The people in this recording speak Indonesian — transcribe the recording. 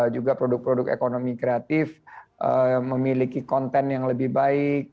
juga produk produk ekonomi kreatif memiliki konten yang lebih baik